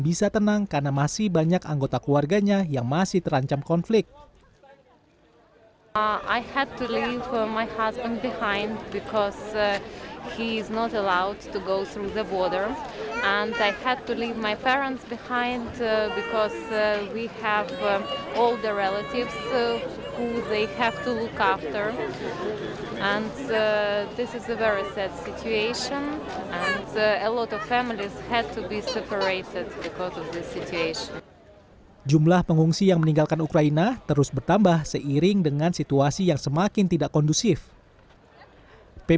dimitri yang berasal dari kharkiv khawatir dengan kondisi keluarganya yang masih bertahan di sana pasukan rusia pada kota kedua terbesar di ukraina tersebut